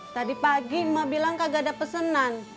tadi pagi emak bilang kagak ada pesenan